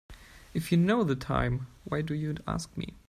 If you know the time why do you ask me?